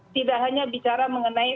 tidak hanya bicara mengenai